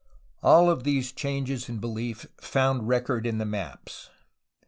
All of these changes in belief found record in the maps.